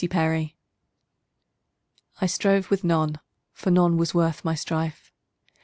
Finis I STROVE with none, for none was worth my strife.